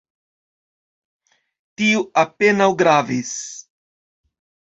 Tio apenaŭ gravis.